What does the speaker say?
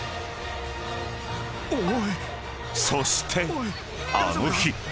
［そしてあの日］